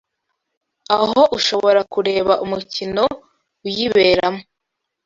aho ushobora kureba umukino uyiberamo